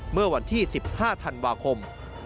เมื่อวันที่๑๕ธันวาคม